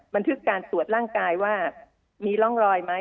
บันทึกการตรวจร่างกายว่ามีร่องรอยไหม